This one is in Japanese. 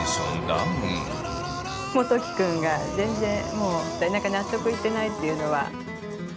モトキ君が全然納得いってないっていうのは。